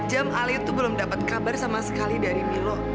dua puluh jam alit itu belum dapat kabar sama sekali dari milo